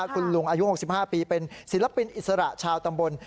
คุณลุงอายุ๖๕ปีเป็นศิลปินอิสระชาวตำบล